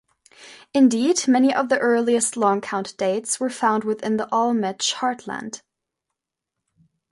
Indeed, many of the earliest Long Count dates were found within the Olmec heartland.